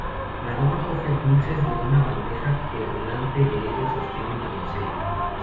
La dama coge dulces de una bandeja que delante de ella sostiene una doncella.